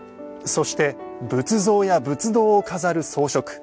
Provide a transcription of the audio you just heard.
そして、仏像や仏堂を飾る装飾。